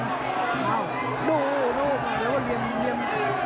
ดูเดี๋ยวว่าเหลี่ยม